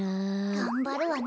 がんばるわね。